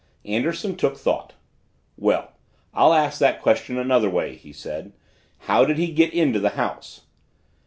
Anderson took thought. "Well, I'll ask that question another way," he said. "How did he get into the house?"